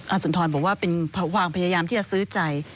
สุนทรบอกว่าเป็นความพยายามที่จะซื้อใจ